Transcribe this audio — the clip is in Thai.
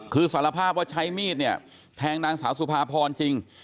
คือสารภาพว่าใช้มีดเนี่ยแทงนางสาวสุภาพรจริง